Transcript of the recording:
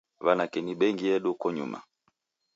Wanake ni bengi yedu konyuma.